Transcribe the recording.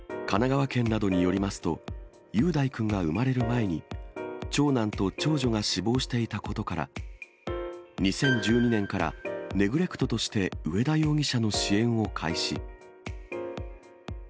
神奈川県などによりますと、雄大君が生まれる前に、長男と長女が死亡していたことから、２０１２年からネグレクトとして、上田容疑者の支援を開始。